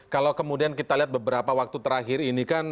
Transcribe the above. kalau kemudian kita lihat beberapa waktu terakhir ini kan